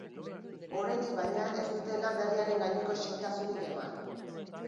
Oraindik, baina, ez dute lan berriaren gaineko xehetasunik eman.